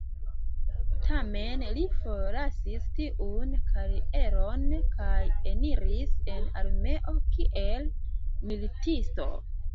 Tamen li forlasis tiun karieron kaj eniris en armeo kiel militisto.